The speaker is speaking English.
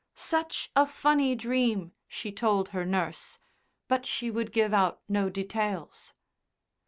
"Such a funny dream," she told her nurse, but she would give out no details.